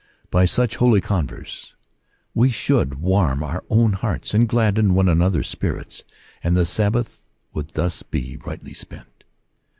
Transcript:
By such holy converse we should warm our own hearts, and gladden one another's spirits, and the Sabbath would thus be rightly spent.